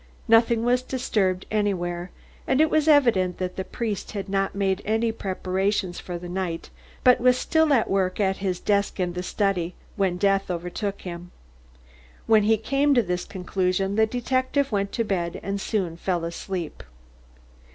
Nothing was disturbed anywhere, and it was evident that the priest had not made any preparations for the night, but was still at work at his desk in the study when death overtook him. When he came to this conclusion, the detective went to bed and soon fell asleep.